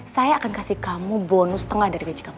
saya akan kasih kamu bonus tengah dari gaji kamu